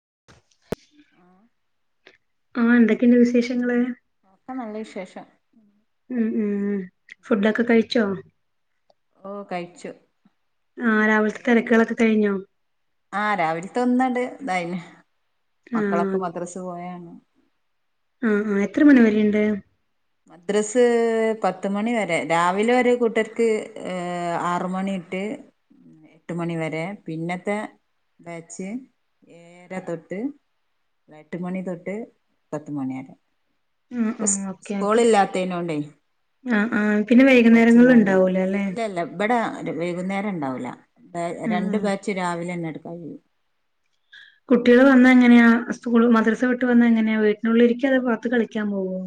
[unintelligible] ആഹ് ആഹ എന്തൊക്കെയുണ്ട് വിശേഷങ്ങള് എനി ക്കെ നല്ല വിശേഷം ഉം പോകുന്നു ഉം ഫുഡൊക്കെ കഴിച്ചോ ഓ കഴിച്ചു ആ രാവിലത്തെ മക്കള തിരക്കുകളൊക്കെ കഴിഞ്ഞോ ആഹ് രാവിലെ തിരക്ക് കഴിഞ്ഞു മക്കളൊക്കെ മദ്രാസ് പോകുവ ആ ആ എത്ര മണി വരുണ്ട് മദ്രസ്സ് പത്തു മണി വരെ രാവിലെ ഒരു ഒരു കൂട്ടർക്ക്ഏ ആറുമണി തൊട്ടു എട്ടു മണി വരെ പിന്നത്തെ ബാച്ച് ആർ തൊട്ട് എട്ടുമണി തൊട്ട് പത്തു മണി വരെ ആഹ് ആഹ് ഓക്കെ ഓക്കേ സ്കൂളില്ലാത്തതിനോണ്ടേ ആ ആ പിന്നെ ഓല് വൈകുന്നേരങ്ങള ഉണ്ടാവൂലേ അല്ലെ ഒരു വൈകുന്നേരം ഉണ്ടാവൂല ആഹ് രണ്ട ആഹ് ബാച്ച് രാവിലെ തന്നെ എടുക്കും ഗായി കുട്ടികൾ വന്ന എങ്ങനെയാ സ്കൂൾ മദ്രസ വിട്ട് വന്ന എങ്ങനെയാ വീട്ടിനുള്ളിൽഇ രിക്കുമോ അതോ പുറത്ത് കളിക്കാൻ പോകോ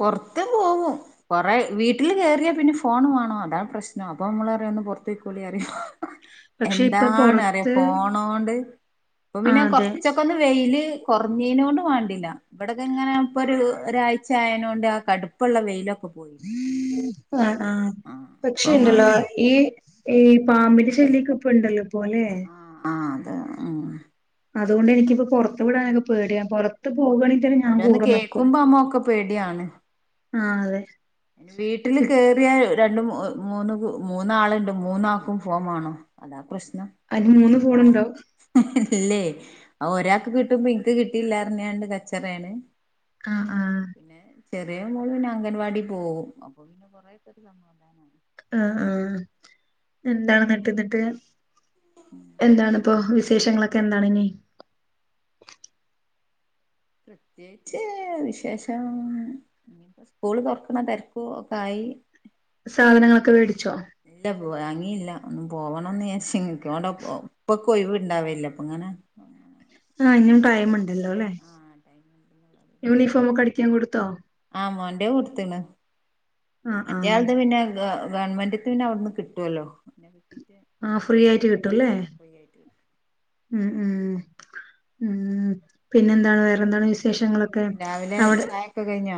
പൊറത്തും പോവും കൊറെ വീട്ടിൽ കേയറിയാ പിന്നെ ഫോണ് വേണം അതാണ് പ്രശ്നം അപ്പൊ നമ്മളറിയാണ്ട് ഒന്ന് പുറത്തേക്ക് ക്കളിക്കാൻ പോയ അറിയോ പക്ഷെ ഇപ്പൊ എന്താണ് അറിയ പുറത്ത് ഫോണോണ്ട് ഇപ്പൊ പിന്നെ ആഹ് അതെ കൊർച്ചൊക്കൊന്ന് വെയില് കൊർനെയ്നോണ്ട് വാണ്ടില്ല വ്ടെത് ങ്ങനെ പ്പൊര് ഒരായ്ച് ആയ്നോണ്ട് ആ കട്പ്പള്ള വെയിലൊ ആ ആഹ് പക്ഷെ ഇപ്പൊ ഇണ്ടല്ലോ ഒരു ഈ ഇ പാമ്പിന്റെ ശല്ല്യൊക്കപ്പ ണ്ടല്ലോ പോലെ അ ആ അതോണ്ട് എനിക്കിപ്പോ പൊറത്ത് വിടാനൊക്കെ പേടിയാ പൊറത്ത് ഓരോന്ന് കേക്കുമ്പോ അമ്മ ഒക്ക പേട്യണ് ആ അതെ വീട്ടില് ഇപ് കേറ്യാൽ രണ്ട് മൂ മൂന്ന് മൂന്നാള്ണ്ട് മൂന്നാക്കും ഫോ മാണോ അതാ പ്രശ് അന് മൂന്ന് ഫോൺ ണ്ടോ ഇല്ലേ ഒരാക്ക് കിട്ടുമ്പോ ഇൻക്ക് കിട്ടില്ലാന്നർന്യാണ്ട് കച്ചറെണ് ആ ആഹ് ചെറിയ മോള് പിന്ന അംഗൻവാടി പോവും അപ്പൊ പിന്ന കൊറേക്കൊരു സമാധാനാ ആ ആഹ് എന്താണ് ന്ട്ട് ന്നിട്ട് എന്താണ് പ്പൊ വി ഷങ്ങളൊക്കെ എന്താണ് ഇനി പ്രത്യേച്ച് വിശേഷം സ്കൂള് തുറക്കണ തെര്ക്കു ഒക്ക ആയി സാധനങ്ങളൊക്കെ വേടിച്ചോ ല്ല വാങ്ങീല്ല ഒന്നും പോവണന്ന് ചാര്ച്ങ്ങ്ക്ക പ്പ ക്കൊയിവ് ണ്ടാവല്ല പ്പ ങ്ങനെ ആഹ് ഇനിയും ടൈം ഒര് മിനുട്ട് ആ ടൈം ണ്ട് യൂണിഫോമൊ ക്കടിക്കാൻ കൊടുത് ആ മോന്റെ കൊട്ത്ത്ണ് ആഹ് ആഹ് മറ്റേയാൾത് പിന്നെ ഗ ഗവൺമന്റ് പിന്നെ അവ്ട്ന്ന് കിട്ടുവല്ലോ ആഹ് ഫ്രീ ആയിട്ട് കിട്ടുംല്ലേ ആ ഫ്രീ ആയിട്ട് ഉം ഉം ഉം പിന്നെ എന്താ വേറെന്താണ് വിഷ് വിശേഷങ്ങളൊക്കെ രാവിലെ അവിടെ ചായൊക്കെ കഴിഞ്ഞോ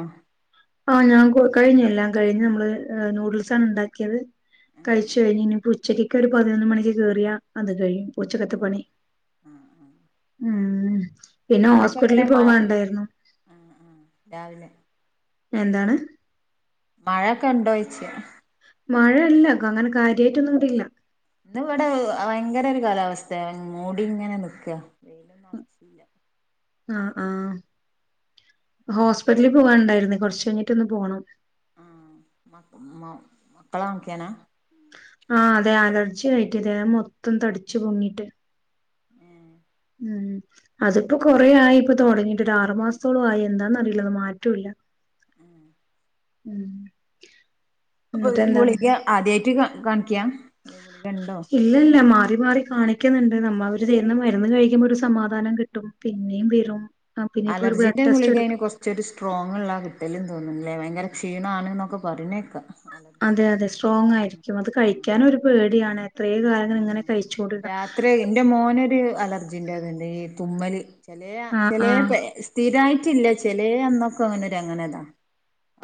ആഹ് ഞാൻ കൊ കഴിഞ്ഞു എല്ലാം കഴിഞ്ഞു ഏ ആ നൂഡിൽസ് ഉണ്ടാ ത് ആ കഴിച് കഴിഞ്ഞ് ഇനി ഉച്ചക്കെക്ക ഒരു പതിനൊന്ന് മണിക്ക് കേറിയാ അത് കഴിയും. ഉച്ചക്കത്ത ആ പണി ആ ആ ഉം ഉം പിന്നെ അവിടെപ്പ എങ്ങനെ ഹോസ്പിറ്റലിൽ മ പോവാൻ ണ്ടായിരുന്നു ആ ആ രാവിലെ എന്താണ് മഴക്കെ ഉണ്ടോയിച്ച മഴ അല്ല അങ്ങനെ കാര്യമായിട്ടൊന്നും ഇവിടില്ല ഇന്ന് ഇവിടെ ഏഹ് ഭയങ്കര ഒരു കാലാവസ്തെ മൂടി ഇങ്ങനെ നിക്ക ആ ആഹ ഹോസ്പിറ്റലിൽ പോവാൻ ണ്ടായിരുന്നെ കൊറച്ചഴിഞ്ഞിട്ടന്ന് പോണം ആ മ മ മക്കലാനിക്കാനാ ആഹ അതെ അലർജി ആയിട്ട് ദേഹം മൊത്തം തടിച് പൊങ്ങിട്ട് ഏ ഉം അതിപ്പോ കൊറേ ആയി ഇപ്പൊ തുടങ്ങി ട്ടാറ് മാസത്തോളം ആയി എന്താന്നറിയി ങള്മാറ്റുല്ല ഉം അപ്പൊ എന്നിട്ട് ഇൻ എന്താണ് ഗുളിഗ ആദ്യായിട്ട് കാ ഗൺ ക്യാ ഉണ്ട ണ്ടോ ഇല്ലല്ല മാറി മാറി കാണിക്കുന്നുണ്ട് നമ്മ അവര് തരുന്ന മരുന്ന് കഴിക്കുമ്പോ ഒരു സമാധാനം കിട്ടും പിന്നെയും വരും ആഹ് പിന്നെ ഇപ്പൊ ഒരു ബ്ലഡ് അലർജീന്റെ ടെസ്റ്റ് ഗുളിക എടു അയിന് കൊറച്ചൊരു സ്ട്രോങ്ള്ള കിട്ടലും തോന്നുന്നി അല്ലെ ഭയങ്കര ക്ഷീണ ആണ്ന്നൊക്കെ പറയണെക്കാ അതെ അതെ സ്ട്രോങ് ആയിരിക്കും അത് കഴിക്കാനൊരു പേടിയാണ് എത്രേ കാലങ്ങൾ ഇങ്ങനെ കഴിച്ചോണ്ടിരുന്ന രാത്രി എന്റെ മോനൊരു അലർജിന്റെത്ണ്ട് ഈ തുമ്മല് ചെലേ ആഹ് ചെലേ ആഹ് സ്ഥിരായി പറ്റില്ല ചെലേ അന്നൊക്കെ അങ്ങനൊര് അങ്ങനെതാ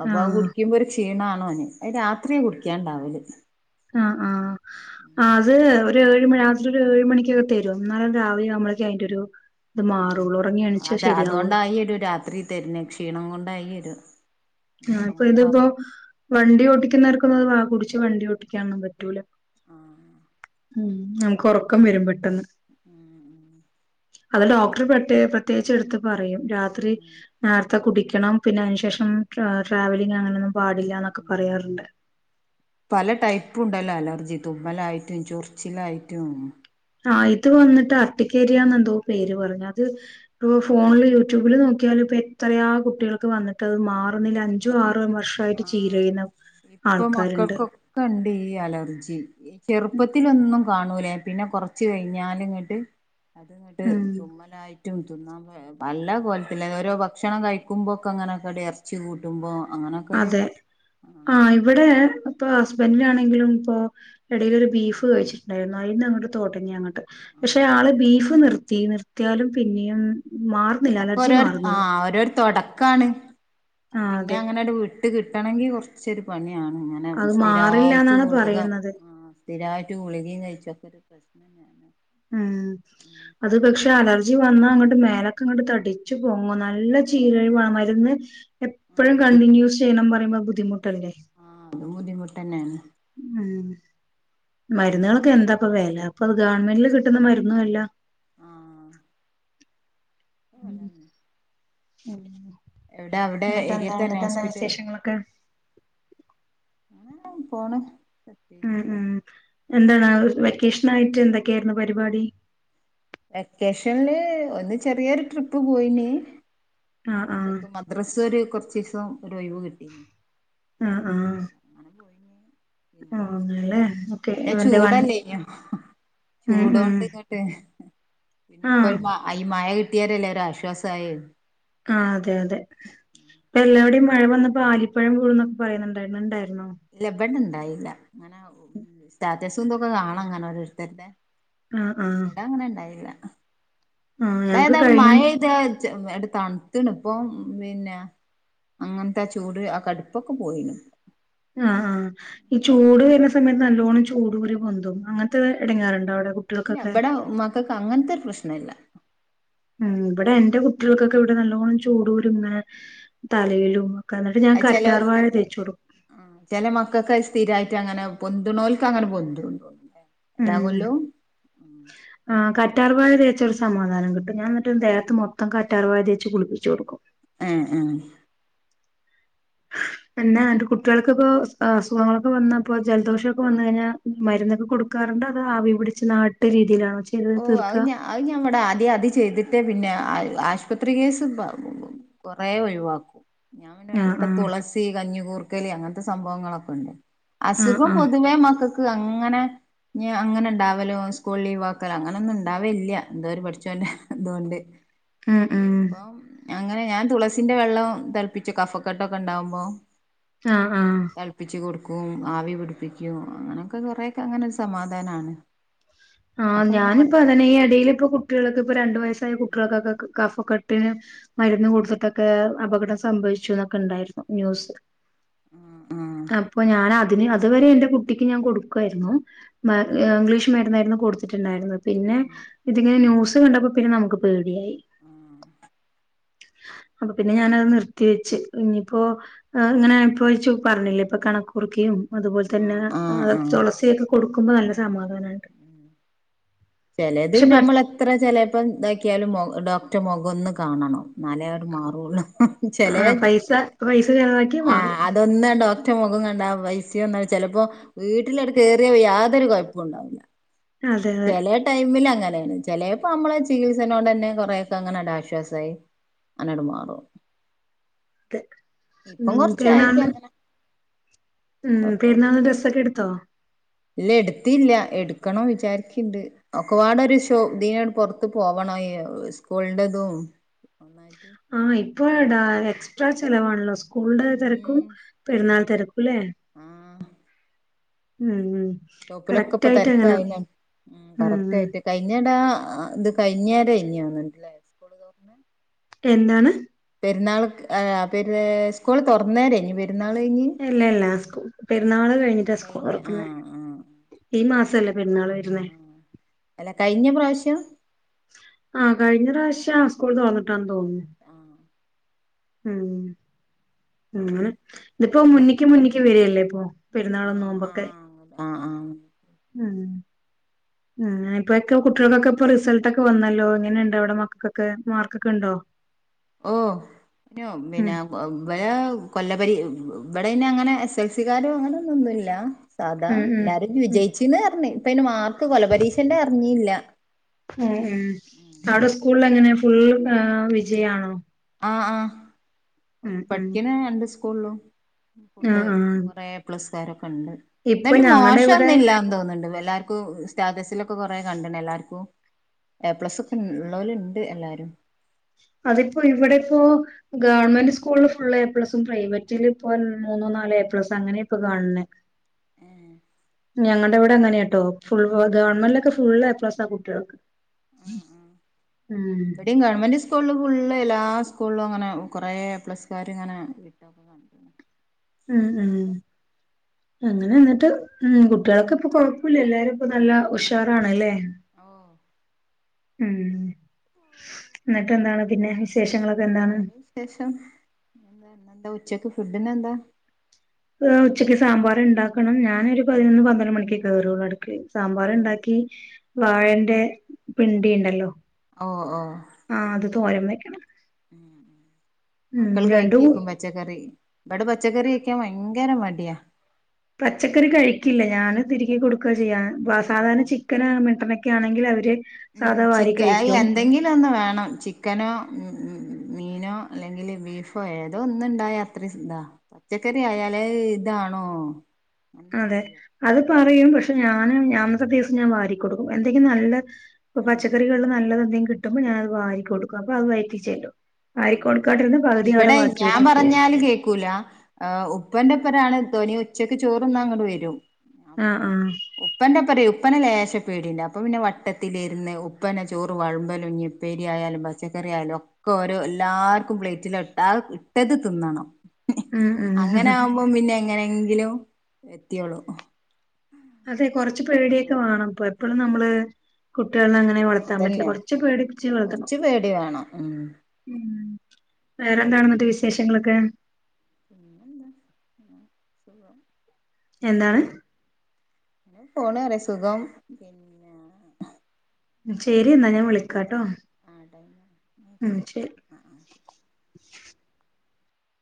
അപ്പൊ ആ ആഹ് കുടിക്കുമ്പോ ഒരു ക്ഷീണ അന് അയ് രാത്രിയ കുടിക്കാണ്ടാവല് ആ ആ അത് ഒരു ഏഴ് മണി രാത്രിഒരു ഏഴ് മണിക്കത് തരും എന്നാലത് രാവിലആവുമ്പയ്‌ക് അയിന്റോരു ആ അതെ അതോണ്ടായി ഒരു രാത്രി തരുന്ന ക്ഷീണം കൊണ്ടായി ത ആ ഇപ്പൊ ഇതിപ്പോ വണ്ടി ഓടിക്കുന്നവർക്ക പ വാ കുടിച്ച് വണ്ടിഓട്ടിക്കാനൊന്നും പറ്റൂല ആ ഉം നമുക്ക് ഒറക്കം വരും പെട്ടന്ന് [inaudible] അത് ഡോക്ടർ പ്രത്യേ പ്രത്യേകിച്ച് എടുത്ത് പറയും രാത്രി ഉം ആ ത്തെ കുടിക്കണം പിന്നെ അതിനുശേഷം ട്രാവലിംഗ് അങ്ങനൊന്നും പാടില്ല എന്നൊക്കെ പറയാറുണ്ട് പല ടൈപ്പും ഉണ്ടല്ലോ അലർജി തുമ്മലായിട്ടും ചൊറിച്ചിലായിട്ടും. ആ ഇത് വന്നിട്ടാ [unintelligible] എന്തോ പേര് പറഞ്ഞു അത് ഇ ഫോണില് യൂട്യൂബിൽ നോക്കിയാലും ഇപ്പോ എത്രയാ കുട്ടികൾക്ക് വന്നിട്ട്ത് മാറ്ണ് ഇപ്പ ആ ഇപ്പൊ ആൾക്കാരുണ്ട് മക്കൾക്കൊക്കെ ഉണ്ട് ഈ അലർജി ഈ ചെറുപ്പത്തിലൊന്നും കാണൂലേ പിന്നെ കൊറച്ച് കഴിഞ്ഞാല ഇങ്ങട്ട് അത്ങ്ങിട്ട് ഉം തുമ്മലായി റ്റും തിന്നാ പ പല കോലത്തി ഓരോ ഭക്ഷണം കഴിക്കുമ്പോക്കെ അങ്ങനെക്കെ എറച്ചി കൂട്ട ട്ടുമ്പോ അതെ ആ ഇവിടെ ഒരു ഇപ്പൊ ഹസ്ബൻഡിനാണെങ്കിലും ഇപ്പോൾ ഇടയിയിലൊരു ബീഫ് കഴിച്ചിട്ടുണ്ടായിരുന്നു അയിന്നങ്ങട്ട് തൊടങ്ങി അങ്ങോട്ട് പക്ഷെ ആ ആള് ബീഫ് നിർ ത്തീ നിർത്തിയാലും പിന്നെയും മാറുന്നില്ല അലർജി ഒക്കെരോരു ആ മാറുന്നില്ല ഓരോരു തൊടക്കാണ് ആഹ് പിന്നെ അതെ അങ്ങനെ ഒരു വിട്ട് കിട്ടണെങ്കി കുറച്ചൊരു പണി ഇങ്ങനെ അത് മാറില്ല സ്ഥിരായിട്ട് എന്നാണ് ഗുളിക പറയുന്നത് ആ സ്ഥിരായിട്ട് ഗുളികയും കഴിച്ച് ഇര പ്രശ്നഞാണ് ഉം അത് പക്ഷെ അലർ ഇരുചി വന്നാ അങ്ങോട്ട് മേലൊക്കെ അങ്ങോട്ട് തടിച്ചു പോൊങ്ങും നല്ല ചീരഴി വണം മരുന്ന് എപ്പോഴും ആ കണ്ടിന്യൂസ് ചെയ്യണം പറ ബുദ്ധിമുട്ടല്ലേ അത് ബുദ്ധിമുട്ടേന്നെണ് ഉം മരുന്നുകളൊക്കെ എന്താപ്പ വേല അപ്പൊ അത് ഗവണ്മെന്റിില് കിട്ടുന്ന മരുന്നുല്ല ല്ലന്ന ഉം എവിടെ അവിടെ ഏരിയത്ത തന്നെ ഹോസ്പിറ്റൽ വിശേഷങ്ങളൊക്കെ ആ പോണ ഉം ഉം എന്താണ് വെകേഷ്ണായിട്ട് എന്തൊക്കെയായിരുന്നു പരിപാടി വെക്കേഷനില് ഒന്ന് ചെറിയൊരു ട്രിപ്പ് പോയിന് ആഹ് ആഹ് അപ്പേക്ക് മദ്രസ് വര് കുറച്ച് തിസോ ഒരൊഴിവ് കിട്ടി അങ്ങനെ പോയി ആ അങ്ങെല്ലെ ന്നെ ഉം ഉം ചൂടല്ലയ്നോചൂടോണ്ട് ഇങ്ങോട്ട് പിന്നെ ഇപ്പൊ ആഹ് ഒരു ഐ മയ ട്ടയാരല്ല ഒരാശ്വാസ ആയെ ആ അതെ അതെ ഇപ്പല്ലാ വിടെ യും മഴ വന്നപ്പോ ആലിപ്പഴം വീഴുന്നൊക്കെ പറയുന്നുണ്ടായിരുന്നുണ്ടായിരു ലബണ്ണ് ണ്ടായി ല അങ്ങനെ ഒ സ്റ്റാറ്റ് രസുന്തൊക്കെ കാണാം അങ്ങനെഓരോത്തന്നെ ആഹ് ആഹ് ഇവിടങ്ങനെണ്ടായില്ല ആഹ് ഇവിടെ ഞങ്ങക്ക് ഏതായാലും കഴിഞ്ഞ മഴ ഇതേൽ ചെഎടു തണുത്തണ ഇപ്പംപിന്നെ അങ്ങനത്തെ ചൂട് ആ കടുപ്പൊക്കെ പോയി ണ് ആ ആ ഈ ചൂട് വരുന്ന സമയത്ത് നല്ലോണം ചൂട് കുരു പൊന്തും അങ്ങനത്തെ എടങ്ങാറുണ്ടവിട ഇല്ല ഇവിടെ മക്കക്ക് അങ്ങനത്തെ ഒരു പ്രശ് നല്ല ഉം ഇവിടെ എന്റെ കുട്ടികൾക്കൊക്കെ ഇവിടെ നല്ലോണം ചൂടു കുരുങ്ങനെ ആഹ് തലയിലും ഒക്കെ എന്നിട്ട് ഞാൻ അത് ചെല കറ്റാർ വാഴ തേച്ച് കൊടുക്കും ആഹ് ചെല മക്കൾക്ക് അത് സ്ഥിരായിട്ട് അങ്ങനെ പൊന്തുണോൽക്ക് അങ്ങനെ പൊന്തുള്ളു ഉം ആ അയിന്റെ കറ്റാർവാഴ തേച്ച് ചൊരു സമാധാനം കിട്ടും ഞാ എന്നിട്ട് ആഹ് ദേഹത്ത് മൊത്തം കറ്റ് കറുവാ തേച്ച് കുളിപ്പിച്ച് കൊടുക്കും ആ ആ പിന്നെ ന്റെ കുട്ടികൾക്കൊക്കെ അസുഖങ്ങളൊക്കെ വന്നപ്പോ ജലദോഷമൊക്കെ വന്ന് കഴിഞ്ഞാൽ മരുന്നൊക്കെ കൊടുക്കാറുണ്ടോ അതോആവി പിടിച്ച് നാട്ടിലിരി ഓ അത് അത് ഞമ്മടെ ആദ്യം അത് ചെയ്തിട്ട് പിന്നെ ആ ആശുപത്രി കേസ് കൊറേ ഒഴിവാക്കും ഞാൻ ആഹ് പിന്നെഇവിടെ ആഹ് തുളസി കഞ്ഞി കൂർ ക്കലി അങ്ങനത്തെ സംഭവങ്ങളൊക്കെണ്ട് ആഹ് അസുഖം ആഹ് പൊതുവേ മക്കക്ക് അങ്ങനെ ഇനി അങ്ങനെ ഉണ്ടാവലോ സ്കൂൾ ലീവാക്ക് ക്ക അങ്ങനൊന്നും ഉണ്ടാവേല്ല എന്താ ഒരു പടച്ചോന്റെ ഹ ഇതുകൊണ്ട് ഉം ഉം ഇപ്പം അങ്ങനെ ഞാൻ തുളസിന്റെ വെള്ളം തളപ്പിച്ചു കഫക്കെട്ടൊക്കെ ഉണ്ടാവുമ്പോ ആഹ ആഹ ക്കും ആവി പിടിപ്പിക്കും അങ്ങനെയൊക്കെ കൊറെയൊക്കെ അങ്ങനെ സമാധാനമാണ് ആഹ് ഞാനിപ്പ അതെ ഈ ഇടയിൽ ഇപ്പ കുട്ടികളൊക്കെ ഇപ്പ രണ്ടു വയസ്സായ കുട്ടികൾക്കൾക്ക് കഫക്കട്ടിന് മരുന്ന് കൊടുത്തിട്ടൊക്കെ അപകടം സംഭവിച്ചു എന്നൊക്കെ ഉണ്ടായിരുന്നു ന്യൂസ് ആഹ് അപ്പൊ ഞൻ അതിന് അതുവരെ എന്റെ കുട്ടിക്ക് ഞാൻ കൊടുക്കുായിരുന്നു ഇംഗ്ലീഷ് മേഡിയംായിരുന്നു കൊടുത്തിട്ടുണ്ടായിരുന്നത് പിന്നെ ഇതിങ്ങനെ ന്യൂസ് കണ്ടപ്പോന്നെ നമുക്ക് പേ ഇ അപ്പൊ പിന്നെ ഞാനത് നിർത്തിവെച്ച് ഇനിയിപ്പോ ഇങ്ങനെ അനുഭവിച്ചു പറഞ്ഞില്ലേ ഇപ്പൊ കണക്കുറക്കും അതുപോലെ തന്നെ ആഹ് തുളസിയൊക്കെ കൊടുക്കുമ്പോ നല്ല സമാധാനുണ്ട് ചിലത് പിന്നെ നമ്മള എത്ര ചിലപ്പം ഇതാക്കിയാലും ഒറ്റ മുഖംൊന്ന് കാണണം നാലേർ മാറയുള്ളൂ ആ പൈസ പൈസ ചെലവാക്കിയ മാറും ഒറ്റ മുഖം കണ്ട പൈസൊന്നും ചെലപ്പോ വീട്ടിലണ് കേറിയ യാതൊരു കൊഴപ്പവും ഉണ്ടാവില്ല അതെ അതെ ചെല ടൈമിൽ അങ്ങനെയാണ് ചെലേപ്പൊ നമ്മളെ ചികിത്സനോട് തന്നെ കൊറെയൊക്കെ അങ്ങനണ്ട് ആശ്വാസായി അങ്ങനണ്ട് മാറും അതെ ഇപ്പം ഉം കൊറച്ചായിട്ട് പെരുന്നാളിന് അങ്ങനെ ഉം പെരുന്നാളിന് ഡ്രസ്സൊക്കെ എടുത്തോ ഇല്ല എടുത്തില്ല എടുക്കണം വിചാരിക്കണ്ട് ഒക്കെപാടെ ഒരു ശോ ഇതിനങ്ങട്ട് പുറത്ത് പോവണം സ്കൂളിന്റെ ഇതും ആ ഇപ്പോഴാടാ എക്സ്ട്രാ ചെലവാണല്ലോ സ്കൂളിന്റെ തിരക്കും ഉം പെരുന്നാൾ ഉം തിരക്കും അല്ലേ ആഹ് ഉം ഉം ഷോപ്പിലൊക്കെ ഇപ്പ കറക്റ്റ് ആയിട്ട് അങ്ങനെ ഉം തിരക്കായിന് ഉം കറക്റ്റായിട്ട് കഴിഞ്ഞെടെ ആ ഇത് [unintelligible] സ്കൂള് തൊറന്ന്‌ എന്താണ് പെരുന്നാൾ ആ പെരു സ്കൂൾ തുറന്ന [unintelligible] ഇല്ല ഇല്ല സ്കൂ പെരുന്നാള് കഴിഞ്ഞിട്ടാ സ്കൂള് കഴിഞ്ഞ തുറക്കുന്നെ ആഹ് ആഹ് ഈ മാ [unintelligible] പെരുന്നാള് വരുന്നേ ശ്യം ആ കഴിഞ്ഞ പ്രാവശ്യം സ്കൂൾ തൊറന്നിട്ടാണെന്ന് തോന്നുന്നു ആഹ് ഉം ഉം ഇതിപ്പോ മുന്നക്ക് മുന്നേക്ക് വരികല്ലേ ഇപ്പൊ പെരുന്നാളും നോമ്പൊക്കെ ഉം ഉ ആങ്ങനെ ഇപ്പൊക്കെ കുട്ടികൾകൊക്കെ ഇപ്പ റിസൾട്ട വന്നല്ലോ എങ്ങനെയുണ്ട് അവിടെ മക്കൾക്കൊക്കെ മാർക്കൊക്കെ ഉണ്ടോ ഓ പിന്നെ ഉം മിനെ വ കൊല്ലപരി ഇവിടെ അയ്ന് അങ്ങനെ എസ് എൽ സിക്കാരോ അങ്ങനെ ഒന്നുംന്നുല്ല സാധാ ഉം ഉം എല്ലാരും ഉം വിജയിച്ചിന്ന് പറഞ്ഞ്ഇപ്പ അയിന് മാർക്ക് കൊല്ല പരീശേന്റെ അറിഞ്ഞില്ല ഉം ഉ അവിടെ സ്കൂളിൽ എങ്ങനെ ഫുൾ അ വിജയ ആണോ ആ ആ ഒരു ഉം പഠ്കിന് രണ്ട് കുളും ഫുള്ള് ആഹ് ആഹ് കുറേ ഏ പ്ലസ് തെരക്ക് ണ്ട് ഇപ്പൊ നിട്ട് ഞങ്ങടെ ഇവിടെ മോശൊന്നും ഇല്ലാന്ന് തോന്നുന്ന്ണ്ട് വര് എല്ലാർക്കും സ്റ്റാറ്റസിലൊക്കെ കൊറേ കണ്ടണ് എല്ലാർക്കും എ പ്ലസ് ഒക്കെ ഉള്ളവല ഉണ്ട് എല്ലാരും അതിപ്പോ ഇവിടെ ഇപ്പോ ഗവൺമെന്റ് സ്കൂളിൽ ഫുള്ള് എ പ്ലസും പ്രൈവറ്റില് ഇപ്പോ മൂന്നോ നാലോ എ പ്ലസും അങ്ങനെ ഇപ്പൊ കാൺണെ ഏഹ് ഞങ്ങളുടെ ഇവിടെ അങ്ങനെയാ ട്ടോ ഫുൾ വ ആഹ് ആഹ് ഗവൺമെന്റൊക്കെ ഫുള്ള എപ്ലസാ കുട്ടികൾക്ക് ഉം വിടെയും ഗവൺമെന്റ സ്കൂളും ള്ള എല്ലാ സ്കൂളിലും അങ്ങനെ കൊറേ പ്ലസ്കാര് ഇങ്ങനെ ഇട്ടൊക്കെ കണ്ട്ക്ക്ണ് ഉം ഉം അങ്ങനെ നിട്ട് ഉ കുട്ടികളൊക്കെ ഇപ്പൊ കൊഴപ്പില്ല എല്ലാരും ഇപ്പ നല്ല ഉഷാ ഓഹ് ഉം എന്നിട്ട് എന്താണ് പിന്നെ വിശേഷങ്ങളൊക്കെ എന്താണ് വേറെ വിശേഷം പിന്നെ എന്താ ഇന്നെന്താ ഉ ഉച്ചക്ക് ഫുഡിനെന്ത ആ ഉച്ചയ്ക്ക് സാമ്പാറ് ഇണ്ടാക്കണം ഞാന ഒരു പതിനൊന്ന് പന്ത്രണ്ട് മണിക്കെ കേറൊള്ളു അട് ക്ക് സാമ്പാർ ഇണ്ടാക്കി വാഴന്റെ പിണ്ടിണ്ടല്ലോ ഓ ഓഹ് തോരൻവെക്കണം മക്കൾ രണ്ടും കഴിക്കിക്കും പച്ചക്കറി ഇവിടെ പച്ചക്കറി ഭയങ്കര മടിയാ പച്ചക്കറി പിന്നെ കഴിക്കില്ല ഞാന് തിരികി കൊടുക്കുക ചെയ്യാം സാധാരണ ഉം ചിക്കൻ മട്ടൺ ഒക്കെ ആണെങ്കിൽ അവര് ഉം സാധാ വാരി ചിക്ക് അല്ല കഴിക്കും എന്തെങ്കിലും ഒന്ന് വേണം ചിക്കനോ ഉം ഉം മീനോ അല്ലെങ്കില് ബീഫോ ഏതോ ഒന്നു ഇണ്ടായ അത്രയും ഇതാ പച്ചക്കറി ആയാലേ ഇതാണോ അങ്ങനെ അതെ ചോദ്യ അത് പറയും പക്ഷെ ഞാന് ഞാൻ അന്നത്തെ ദിവസം ഞാൻ വാരികൊടുക്കും എന്തെങ്കിലും നല്ല ഉം പച്ചക്കറികളിൽ നല്ലത് എന്തെങ്കിലും കിട്ടുമ്പോൾ ഞാൻ അത് വാരികൊടുക്കും അപ്പൊ അത് വയറ്റിൽ ചെല്ലും ആ വാരി കൊടുക്കാണ്ടിരുന്ന പകുതി അവിടെ ഇവിടെ ബാക്കി ഞാൻ വെച്ചിട്ട് പോകും പറഞ്ഞാല് കേക്കൂല ഏഹ് ഉ ഉപ്പന്റെപ്പരാണ് [unintelligible] ഉച്ചയ്ക്ക് ചോറുണ്ണാൻ അങ്ങൊട് വരും അപ്പൊ ആഹ് ആഹ് ഉപ്പാന്റെ [unintelligible] ഉപ്പന ലേഷപേടിണ്ട് അപ്പൊ പിന്നെ വട്ടത്തിലിരുന്ന് ഉപ്പന ചോറ് വള്മ്പലും ഉപ്പേരി ആയാലും പച്ചക്കറി ആയാലും ഒക്കെ ഓരോ എല്ലാവർക്കും പ്ലേറ്റില ഇട്ട ഇട്ടത് തിന്നണം ഉം ഉം അങ്ങനെ ആകുമ്പോം പിന്നെ എങ്ങനെ എങ്കിലോ എത്തിയോളൂ അതെ കൊറച്ചു പേടിയൊക്കെ വേണം അപ്പ എപ്പോഴും ആഹ് നമ്മള് കുട്ടികള അങ്ങനെ വളർത്താൻ പറ്റില്ല അതന്നെ കൊറച് പേടിപ്പിച്ച് വളർത്തണം കൊറച്ച് പേടി വേണം ഉം വേറെന്താണ് എന്നിട്ട് വിശേഷങ്ങളൊക്കെ പിന്നെന്താ സുഖം എന്താണ് [unintelligible] സുഖം ശരി എന്നാ ഞാൻ വിളിക്കാട്ടോ ഉം ശരി [unintelligible] ആ ആ